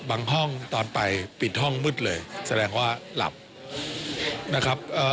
ห้องตอนไปปิดห้องมืดเลยแสดงว่าหลับนะครับเอ่อ